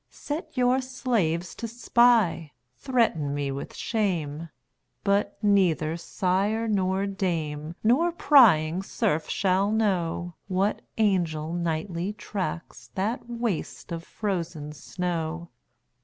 Set your slaves to spy; threaten me with shame: But neither sire nor dame, nor prying serf shall know, What angel nightly tracks that waste of frozen snow.